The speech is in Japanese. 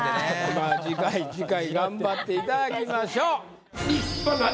まあ次回次回頑張っていただきましょう。